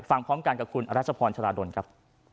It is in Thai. พร้อมกันกับคุณรัชพรชราดลครับ